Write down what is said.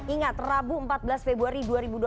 ingat rabu empat belas februari dua ribu dua puluh